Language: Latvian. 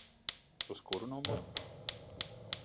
Uz kuru numuru?